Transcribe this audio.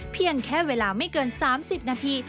เพียงแค่เวลาไม่เกิน๓๐นาที